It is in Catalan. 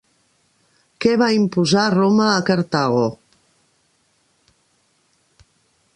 Què va imposar Roma a Cartago?